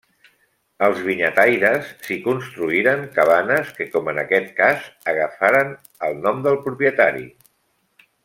Els vinyataires s'hi construïren cabanes que com en aquest cas, agafaren el nom del propietari.